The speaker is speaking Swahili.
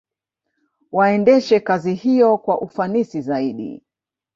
Waendeshe kazi hiyo kwa ufanisi zaidi